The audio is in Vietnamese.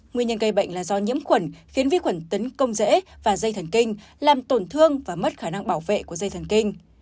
nguyên nhân gây bệnh là do nhiễm khuẩn khiến vi khuẩn tấn công dễ và dây thần kinh làm tổn thương và mất khả năng bảo vệ của dây thần kinh